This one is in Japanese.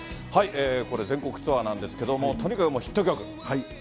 これ、全国ツアーなんですけれども、とにかくヒット曲。